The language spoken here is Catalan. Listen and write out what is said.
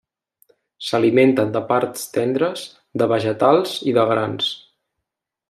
S'alimenten de parts tendres de vegetals i de grans.